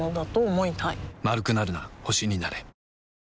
丸くなるな星になれさ！